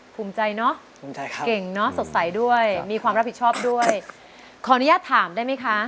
ภูมิใจเนอะภูมิใจครับเก่งเนอะสดใสด้วยมีความรับผิดชอบด้วยขออนุญาตถามได้ไหมคะ